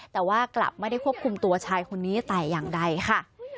แต่ว่ากลับไม่ได้ควบคุมตัวชายคนนี้แต่อย่างใดค่ะ